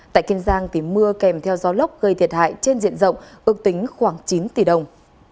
tại kiên giang mưa kèm theo gió lốc gây thiệt hại trên diện rộng ước tính khoảng chín tỷ đồng